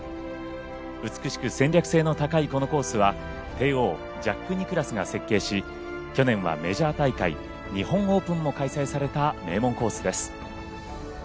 美しく戦略性の高いこのコースは帝王、ジャック・ニクラウスが設計し去年はメジャー大会日本オープンも開催された名門コースです。